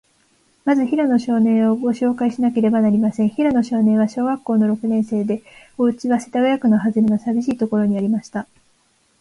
まず、平野少年を、ごしょうかいしなければなりません。平野少年は、小学校の六年生で、おうちは、世田谷区のはずれの、さびしいところにありました。